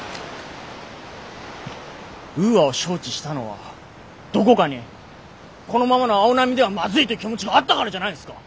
ウーアを招致したのはどこかにこのままの青波ではまずいという気持ちがあったからじゃないんですか。